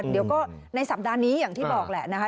เดี๋ยวก็ในสัปดาห์นี้อย่างที่บอกแหละนะคะ